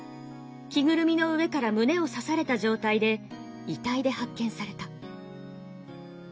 着ぐるみの上から胸を刺された状態で遺体で発見された。